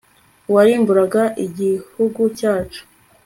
uwarimburaga igihugu cyacu